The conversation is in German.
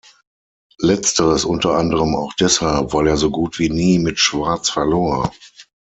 Letzteres unter anderem auch deshalb, weil er so gut wie nie mit Schwarz verlor.